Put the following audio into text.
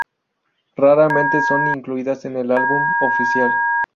Raramente son incluidas en el álbum oficial.